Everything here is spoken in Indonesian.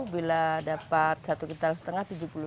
bila dapat satu kintal setengah tujuh puluh lima ribu